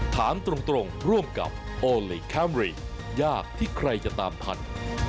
ถามตรงร่วมกับโอลี่คัมรี่ยากที่ใครจะตามทัน